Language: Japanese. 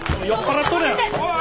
おい